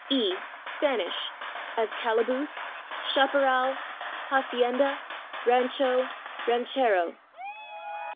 e. Spanish, as /calaboose/, /chapparal/, /hacienda/, /rancho/, /ranchero